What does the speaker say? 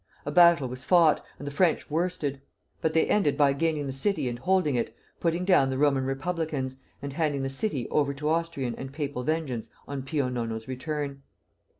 A battle was fought, and the French worsted; but they ended by gaining the city and holding it, putting down the Roman republicans, and handing the city over to Austrian and papal vengeance on Pio Nono's return.